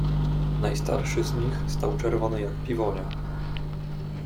"Najstarszy z nich stał czerwony jak piwonia..."